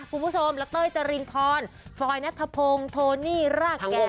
คุณผู้ชมและเต้ยจรินพรฟรอยนัทพงศ์โทนี่รากแก่